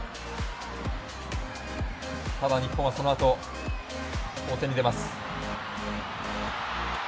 ただ日本はそのあと好戦に出ます。